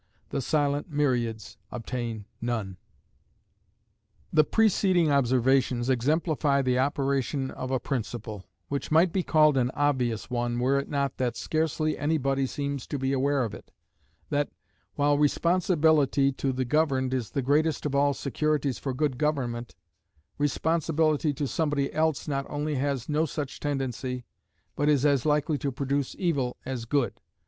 The silent myriads obtain none. The preceding observations exemplify the operation of a principle which might be called an obvious one, were it not that scarcely anybody seems to be aware of it that, while responsibility to the governed is the greatest of all securities for good government, responsibility to somebody else not only has no such tendency, but is as likely to produce evil as good.